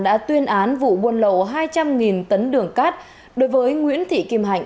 đã tuyên án vụ buôn lậu hai trăm linh tấn đường cát đối với nguyễn thị kim hạnh